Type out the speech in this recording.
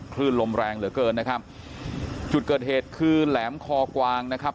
คลื่นลมแรงเหลือเกินนะครับจุดเกิดเหตุคือแหลมคอกวางนะครับ